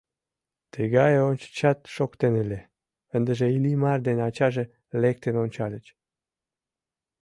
Тыгай ончычат шоктен ыле, ындыже Иллимар ден ачаже лектын ончальыч.